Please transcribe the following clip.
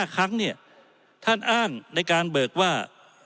๕ครั้งเนี่ยท่านอ้างในการเบิกว่า